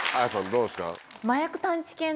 どうですか？